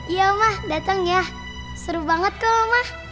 iya oma dateng ya seru banget kok oma